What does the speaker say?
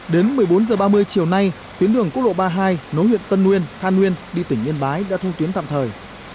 đến một mươi bốn h ba mươi chiều nay tuyến đường quốc lộ ba mươi hai nối huyện tân nguyên than nguyên đi tỉnh yên bái đã thông tuyến tạm thời